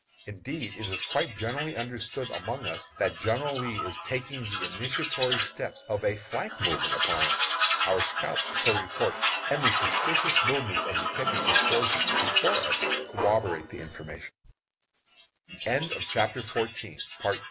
Indeed, it is quite generally understood among us that General Lee is taking the initiatory steps of a flank movement upon us. Our scouts so report, and the suspicious movements of the pickets and forces before us corroborate the information. [Illustration: THE CAPTURE CAVALRY FIGHT AT BUCKLAND MILLS.